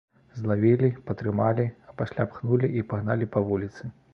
Злавілі, патрымалі, а пасля пхнулі і пагналі па вуліцы.